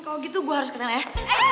kalau gitu gue harus kesana ya